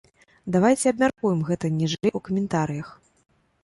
Давайце абмяркуем гэта ніжэй у каментарыях.